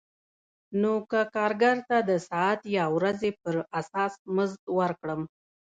نو که کارګر ته د ساعت یا ورځې پر اساس مزد ورکړم